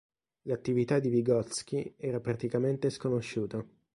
L'attività di Vygotskij era praticamente sconosciuta.